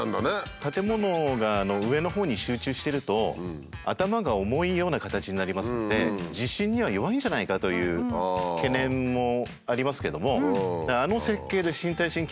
建物が上のほうに集中してると頭が重いような形になりますので地震には弱いんじゃないかという懸念もありますけども。